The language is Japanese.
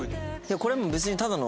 これはもう別にただの。